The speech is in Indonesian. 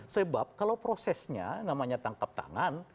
sebab kalau prosesnya namanya tangkap tangan